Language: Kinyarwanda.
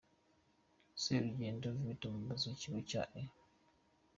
Serugendo Victor, umuyobozi w’ikigo cya E.